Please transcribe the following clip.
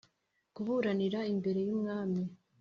Kuburanira imbere y umwami